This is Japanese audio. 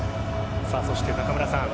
そして、中村さん